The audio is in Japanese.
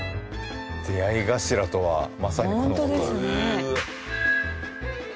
出合い頭とはまさにこの事。